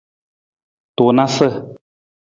Tunasa.